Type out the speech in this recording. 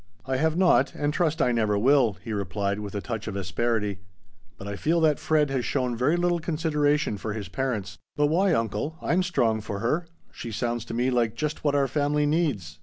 "I have not and trust I never will," he replied, with a touch of asperity; "but I feel that Fred has shown very little consideration for his parents." "But why, uncle? I'm strong for her! She sounds to me like just what our family needs."